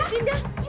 ibu dinda kenapa ibu